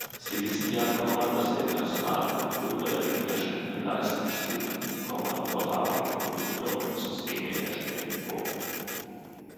Sie wissen ja, dass wir Personalcomputer in verschiedenen Leistungsstufen, portable Computer und Systeme herstellen.